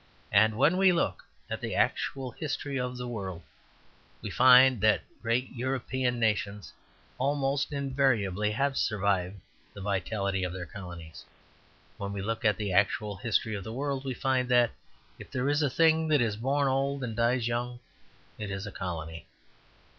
And when we look at the actual history of the world, we find that great European nations almost invariably have survived the vitality of their colonies. When we look at the actual history of the world, we find, that if there is a thing that is born old and dies young, it is a colony.